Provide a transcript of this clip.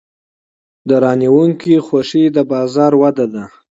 د پیرودونکي خوښي د بازار وده ده.